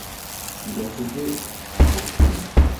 Yusuke Hoshino